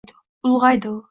Ulg’aydi u